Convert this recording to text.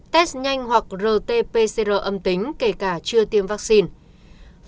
test nhanh hoặc rt pcr âm tính kể cả chưa tiêm vaccine